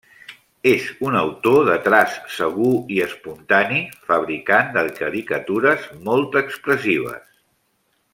És un autor de traç segur i espontani, fabricant de caricatures molt expressives.